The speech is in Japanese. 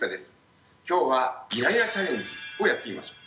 今日はイライラチャレンジをやってみましょう。